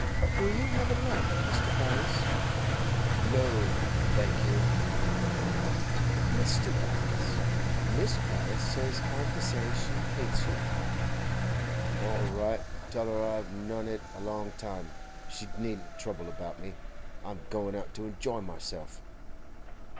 'Will you have a light, Mr. Byass?' 'No—thank you.' 'Mr. Byass, Mrs. Byass says I'm to say she hates you.' 'All right. Tell her I've known it a long time. She needn't trouble about me; I'm going out to enjoy myself.